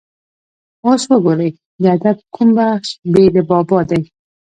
اوس وګورئ د ادب کوم بخش بې له بابا دی.